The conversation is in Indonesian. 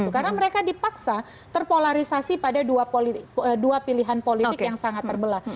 karena mereka dipaksa terpolarisasi pada dua pilihan politik yang sangat terbelah